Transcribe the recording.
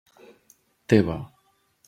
Teva.